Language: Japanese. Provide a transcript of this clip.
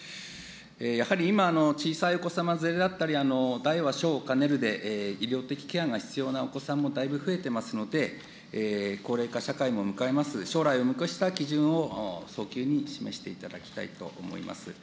やはり今、小さいお子様連れだったり、大は小を兼ねるで、医療的ケアが必要なお子さんもだいぶ増えていますので、高齢化社会も迎えます、将来を見越した基準を早急に示していただきたいと思います。